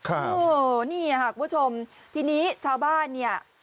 โอ้นี่ค่ะคุณผู้ชมทีนี้ชาวบ้านเนี่ย